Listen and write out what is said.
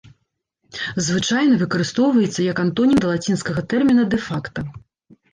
Звычайна выкарыстоўваецца як антонім да лацінскага тэрміна дэ-факта.